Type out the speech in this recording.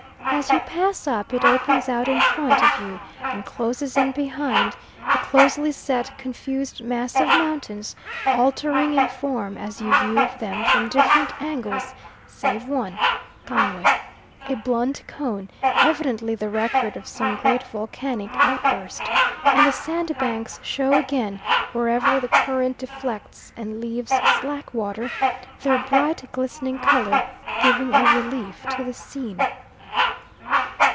As you pass up it opens out in front of you and closes in behind, the closely set confused mass of mountains altering in form as you view them from different angles, save one, Kangwe a blunt cone, evidently the record of some great volcanic outburst; and the sandbanks show again wherever the current deflects and leaves slack water, their bright glistening colour giving a relief to the scene.